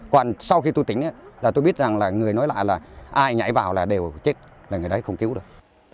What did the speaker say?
còn sau khi tôi tỉnh là tôi biết rằng là người nói lại là ai nhảy vào là đều chết là người đấy không cứu được